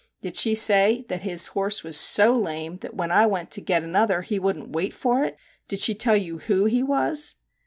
Did she say that his horse was so lame that when I went to get another he wouldn't wait for it ? Did she tell you who he was